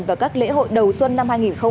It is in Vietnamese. và các lễ hội đầu xuân năm hai nghìn hai mươi